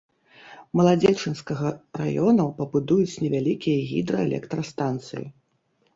Маладзечанскага раёнаў пабудуюць невялікія гідраэлектрастанцыі.